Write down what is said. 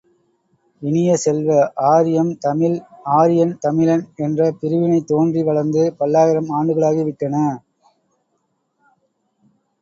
இனிய செல்வ, ஆரியம் தமிழ், ஆரியன் தமிழன் என்ற பிரிவினை தோன்றி வளர்ந்து பல்லாயிரம் ஆண்டுகளாகிவிட்டன!